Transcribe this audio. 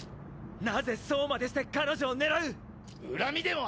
なぜそうまでして彼女を狙う⁉恨みでもあんのか